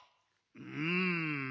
うん。